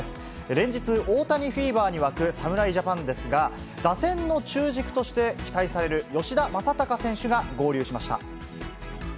連日、大谷フィーバーに沸く侍ジャパンですが、打線の中軸として期待される吉田正尚選手が合流しました。